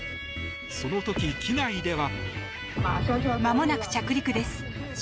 その時、機内では。